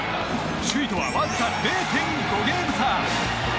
首位とはわずか０．５ゲーム差。